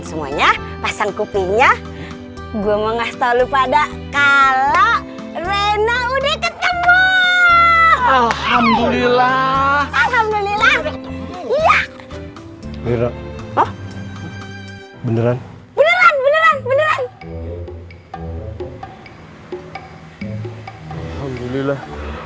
semuanya pasang kupinya gua mau ngasih tahu lu pada kalau rena udah ketemu alhamdulillah